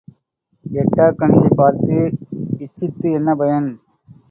எட்டாக் கனியைப் பார்த்து இச்சித்து என்ன பயன்?